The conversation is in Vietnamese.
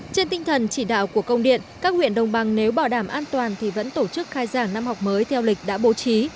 trên tinh thần chỉ đạo của công điện các huyện đồng bằng nếu bảo đảm an toàn thì vẫn tổ chức khai giảng năm học mới theo lịch đã bố trí